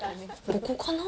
ここかな？